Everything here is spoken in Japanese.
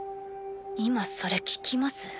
今それ聞きます？